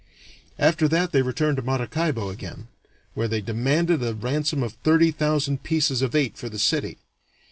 After that they returned to Maracaibo again, where they demanded a ransom of thirty thousand pieces of eight for the city.